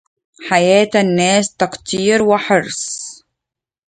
حياة الناس تقتير وحرص